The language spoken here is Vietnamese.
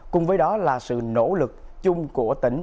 cùng với đó là sự nỗ lực chung của tỉnh